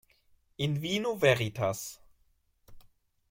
In vino veritas.